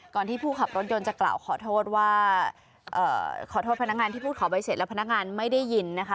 ที่ผู้ขับรถยนต์จะกล่าวขอโทษว่าขอโทษพนักงานที่พูดขอใบเสร็จแล้วพนักงานไม่ได้ยินนะคะ